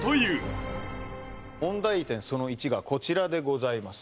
その１がこちらでございます